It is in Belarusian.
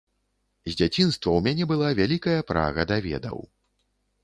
З дзяцінства ў мяне была вялікая прага да ведаў.